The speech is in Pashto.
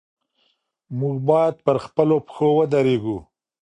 موږ بايد پر خپلو پښو ودرېږو.